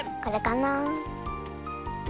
これかな？